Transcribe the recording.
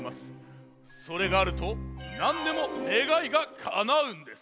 それがあるとなんでもねがいがかなうんです。